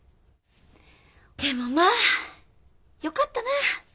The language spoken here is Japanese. でもまあよかったなあ。